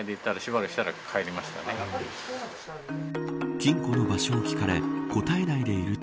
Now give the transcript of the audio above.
金庫の場所を聞かれ答えないでいると